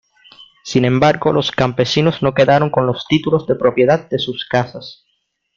Sin embargo, los campesinos no quedaron con los títulos de propiedad de sus casas.